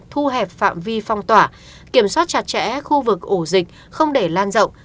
thu hẹp phạm vi phong tỏa kiểm soát chặt chẽ khu vực ổ dịch không để lan rộng